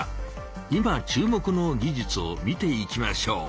いま注目の技術を見ていきましょう。